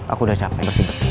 aku udah capek bersih bersih